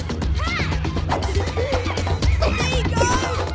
ああ！